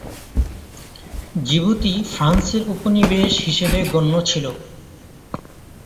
জিবুতি ফ্রান্সের উপনিবেশ হিসেবে গণ্য ছিল।